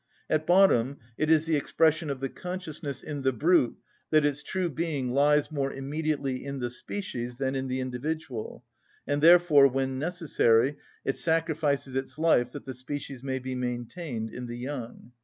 At bottom it is the expression of the consciousness in the brute that its true being lies more immediately in the species than in the individual, and therefore, when necessary, it sacrifices its life that the species may be maintained in the young.